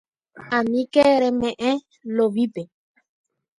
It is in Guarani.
Aníke reme'ẽ Lovípe.